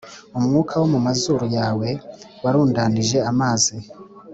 umwuka wo mu mazuru yawe warundanije amazi,